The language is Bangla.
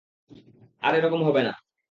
আর এরকম হবে না।